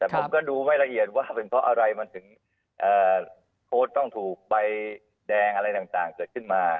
แต่ผมก็ดูไม่ละเอียดว่าเป็นเพราะอะไรมันถึงโค้ดต้องถูกใบแดงอะไรต่างเกิดขึ้นมา